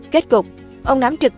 kết cục ông nắm trực tiếp